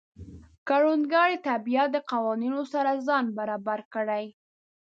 کروندګر د طبیعت د قوانینو سره ځان برابر کړي